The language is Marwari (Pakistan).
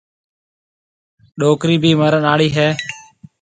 ڏُوڪرِي ڀِي مرڻ آݪِي هيَ۔